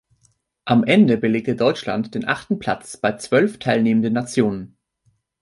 Am Ende belegte Deutschland den achten Platz bei zwölf teilnehmenden Nationen.